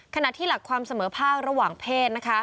ขณะที่หลักความเสมอภาคระหว่างเพศ